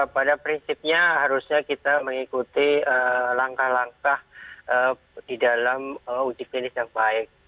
pada prinsipnya harusnya kita mengikuti langkah langkah di dalam uji klinis yang baik